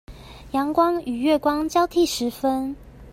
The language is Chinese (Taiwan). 陽光與月光交替時分